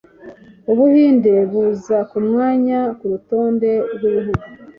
Ubuhinde buza ku mwanya kurutonde rwibihugu